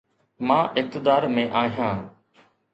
مان اقتدار ۾ آهيان.